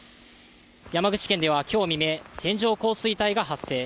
山口県ではきょう未明、線状降水帯が発生。